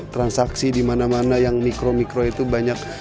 transaksi di mana mana yang mikro mikro itu banyak